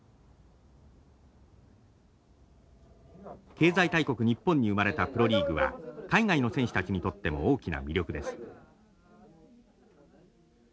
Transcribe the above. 経済大国日本に生まれたプロリーグは海外の選手たちにとっても大きな魅力です。